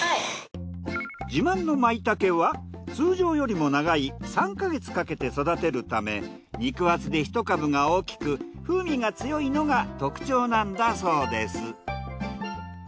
自慢のまいたけは通常よりも長い３か月かけて育てるため肉厚で１株が大きく風味が強いのが特徴なんだそうです。